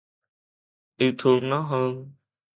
Yêu thương nó hơn